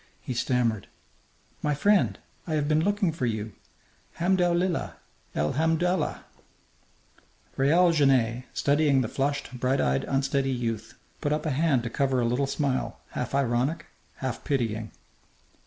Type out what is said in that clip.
He stammered: "My friend! I have been looking for you! Hamdou lillah! El hamdou'llah!" Raoul Genet, studying the flushed, bright eyed, unsteady youth, put up a hand to cover a little smile, half ironic, half pitying.